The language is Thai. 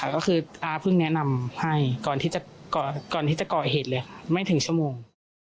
ก็คืออาเพิ่งแนะนำให้ก่อนที่จะก่อเหตุเลยค่ะไม่ถึงชั่วโมง